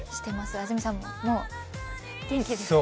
安住さん、もう元気ですか？